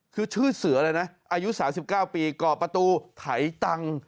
คือชื่อเสือเลยนะอายุ๓๙ปีก่อประตูไถตังค์